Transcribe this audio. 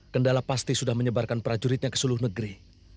kendala pasti sudah menyebarkan prajuritnya ke seluruh negeri